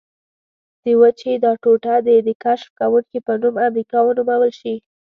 د وچې دا ټوټه دې د کشف کوونکي په نوم امریکا ونومول شي.